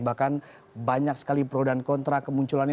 bahkan banyak sekali pro dan kontra kemunculannya